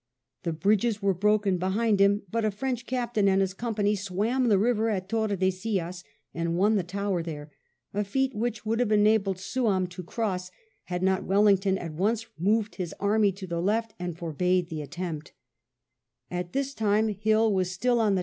The bridges were broken behind him, but a French captain and his company swam the river at Tordesillas and won the tower there, a feat which would have enabled Souham to cross, had not Wellington at once moved his army to the left and forbade the attempt At this time Hill was still on the 172 WELLINGTON chap.